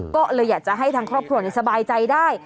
ก็เลยอยากจะให้ทางครอบครัวสบายใจได้